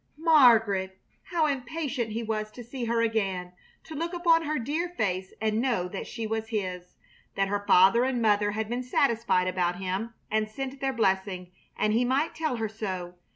Margaret! How impatient he was to see her again! To look upon her dear face and know that she was his! That her father and mother had been satisfied about him and sent their blessing, and he might tell her so.